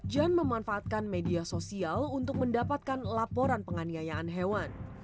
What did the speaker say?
jan memanfaatkan media sosial untuk mendapatkan laporan penganiayaan hewan